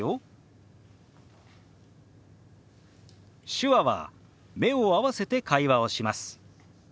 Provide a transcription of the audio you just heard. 手話は目を合わせて会話をします。